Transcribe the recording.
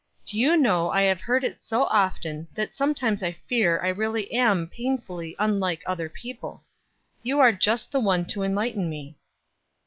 Do you know I have heard it so often that sometimes I fear I really am painfully unlike other people. You are just the one to enlighten me."